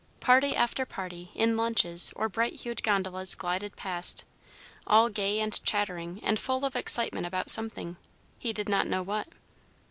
Party after party in launches or bright hued gondolas glided past, all gay and chattering, and full of excitement about something, he did not know what.